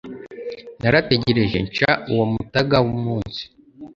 Narategereje nca uwo mutaga wumunsi